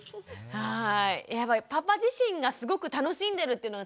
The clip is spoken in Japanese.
はい。